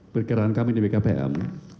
perkiraan kami di bkpm